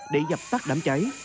để dập tắt đám cháy